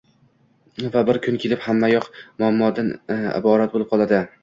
va bir kun kelib, hammayoq mumammodan iborat bo‘lib qoladi.